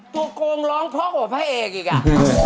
ตัวโกงร้องเพราะพระเอกอีกอ่ะ